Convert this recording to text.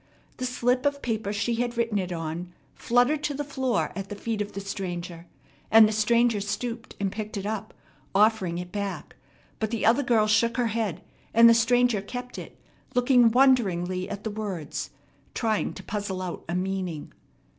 The slip of paper she had written it on fluttered to the floor at the feet of the stranger, and the stranger stooped and picked it up, offering it back; but the other girl shook her head, and the stranger kept it, looking wonderingly at the words, trying to puzzle out a meaning.